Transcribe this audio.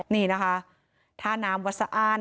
นี่นะคะท่าน้ำวัดสะอ้าน